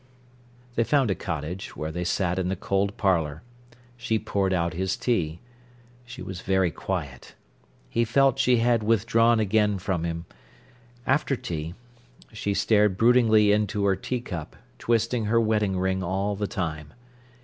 They found a cottage, where they sat in the cold parlour. She poured out his tea. She was very quiet. He felt she had withdrawn again from him. After tea, she stared broodingly into her tea cup, twisting her wedding ring all the time.